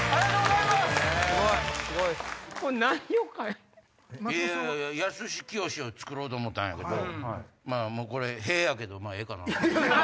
「やすしきよし」を作ろうと思ったんやけどこれ「へ」やけどまぁええかな。